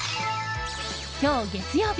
今日、月曜日。